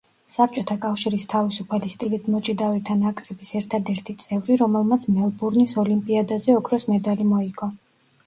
საბჭოთა კავშირის თავისუფალი სტილით მოჭიდავეთა ნაკრების ერთადერთი წევრი, რომელმაც მელბურნის ოლიმპიადაზე ოქროს მედალი მოიგო.